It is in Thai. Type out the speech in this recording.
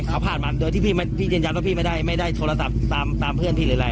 เขาผ่านมาโดยที่พี่ไม่พี่ยันยันว่าพี่ไม่ได้ไม่ได้โทรศัพท์ตามตามเพื่อนพี่หรืออะไร